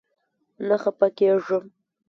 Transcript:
نه خپه کيږم